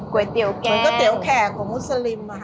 ก๋วยเตี๋ยวแกงก๋วยเตี๋ยวแขกของอุศลิมค่ะ